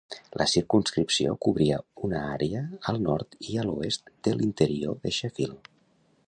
La circumscripció cobria una àrea al nord i a l'oest de l'interior de Sheffield.